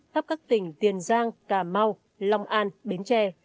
thắp các tỉnh tiền giang cà mau long an bến tre